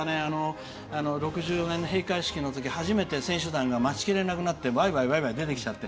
６４年の閉会式のときに選手団が待ちきれなくてわいわい出てきちゃって。